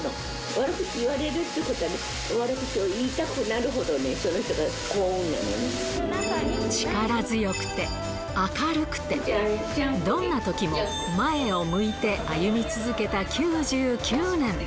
悪口を言われるということは、悪口を言いたくなるほどね、力強くて、明るくて、どんなときも、前を向いて歩み続けた９９年。